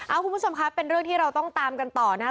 เอาคุณผู้ชมครับเป็นเรื่องที่เราต้องตามกันต่อนะครับ